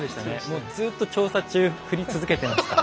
もうずっと調査中降り続けてました。